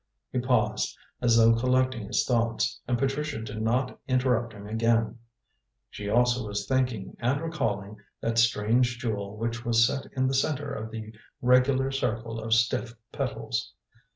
He paused, as though collecting his thoughts, and Patricia did not interrupt him again. She also was thinking and recalling that strange jewel which was set in the centre of the regular circle of stiff petals.